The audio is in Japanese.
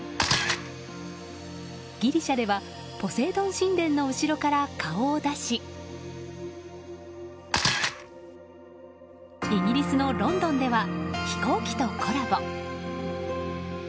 ギリシャではポセイドン神殿の後ろから顔を出しイギリスのロンドンでは飛行機とコラボ。